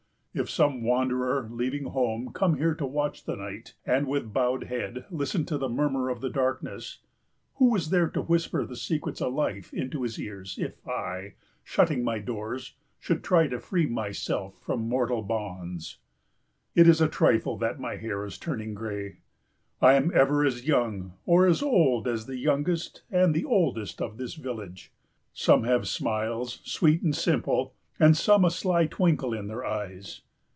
"If some wanderer, leaving home, come here to watch the night and with bowed head listen to the murmur of the darkness, who is there to whisper the secrets of life into his ears if I, shutting my doors, should try to free myself from mortal bonds? "It is a trifle that my hair is turning grey. "I am ever as young or as old as the youngest and the oldest of this village. "Some have smiles, sweet and simple, and some a sly twinkle in their eyes.